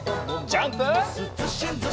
ジャンプ！